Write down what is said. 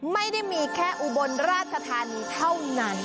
ไม่ได้มีแค่อุบลราชธานีเท่านั้น